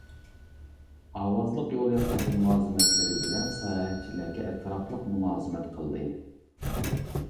ئاۋازلىق يول ياساش مۇلازىمەتلىرى بىلەن ساياھەتچىلەرگە ئەتراپلىق مۇلازىمەت قىلدى.